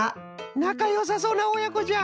なかよさそうなおやこじゃ。